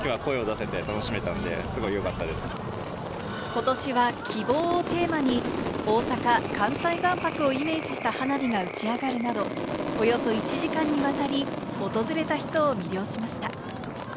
ことしは希望をテーマに大阪・関西万博をイメージした花火が打ち上がるなど、およそ１時間にわたり、訪れた人を魅了しました。